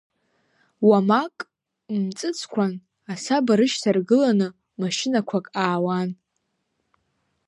Уамак мҵыцкәан, асаба рышьҭаргыланы, машьынақәак аауан.